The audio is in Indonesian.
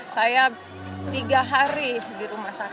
saya tiga hari di rumah sakit